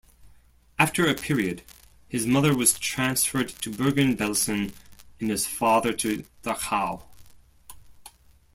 After a period, his mother was transferred to Bergen-Belsen and his father to Dachau.